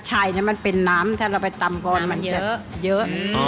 ใช่มันเป็นน้ำถ้าเราไปตำก่อนมันจะเยอะ